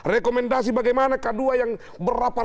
rekomendasi bagaimana k dua yang berapa